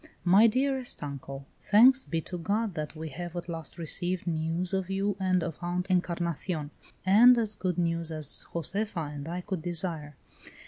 "MY DEAREST UNCLE, Thanks be to God that we have at last received news of you and of Aunt Encarnacion, and as good news as Josefa and I could desire.